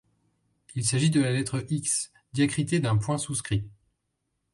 Il s’agit de la lettre X diacritée d’un point souscrit.